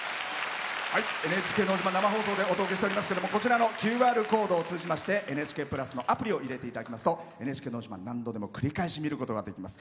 「ＮＨＫのど自慢」、生放送でお届けしておりますけれどこちらのＱＲコードを通じまして「ＮＨＫプラス」のアプリを入れていただきますと「ＮＨＫのど自慢」、何度でも繰り返し見ることができます。